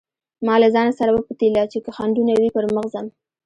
ما له ځانه سره وپتېيله چې که خنډونه وي پر مخ ځم.